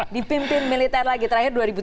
di pimpin militer lagi terakhir